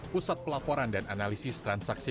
pusat pelaporan dan analisis transaksi